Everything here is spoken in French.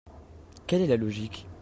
Quelle est la logique?